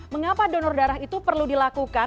mengapa donor darah itu perlu dilakukan